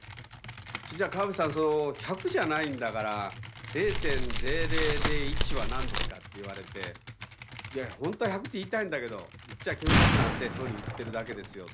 「それじゃ川淵さん１００じゃないんだから０．０００１は何ですか」って言われて本当は１００って言いたいんだけど言っちゃ気の毒なんでそう言ってるだけですよって。